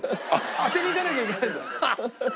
当てにいかなきゃいけないんで。